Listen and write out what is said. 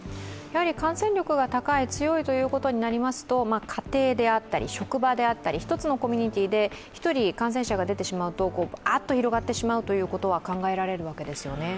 感染力が高い、強いということになりますと、家庭であったり、職場であったり、１つのコミュニティーで感染者が出てしまうとばーっと広がってしまうということは考えられるわけですよね？